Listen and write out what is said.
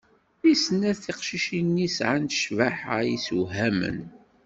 Di snat tiqcicin-nni sɛant cbaḥa yessewhamen.